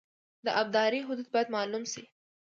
د ابدارۍ حدود باید معلوم شي